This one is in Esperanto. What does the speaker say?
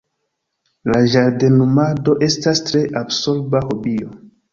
La ĝardenumado estas tre absorba hobio!